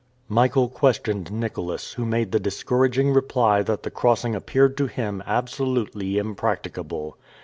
Michael questioned Nicholas, who made the discouraging reply that the crossing appeared to him absolutely impracticable.